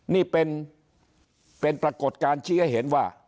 นี่เป็นปรากฏการณ์ชี้ให้เห็นว่า